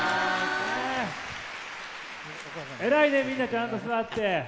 偉いねみんなちゃんと座って。